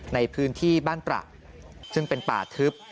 ในพื้นที่บ้านตระซึ่งเป็นป่าทึบ